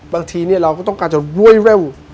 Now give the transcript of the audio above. บางทีเราก็ต้องการจะรวยเร็ว